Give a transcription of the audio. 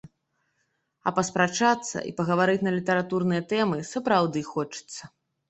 А паспрачацца і пагаварыць на літаратурныя тэмы сапраўды хочацца.